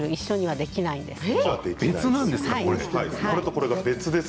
別なんですか？